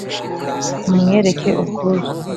mumwereke ubwuzu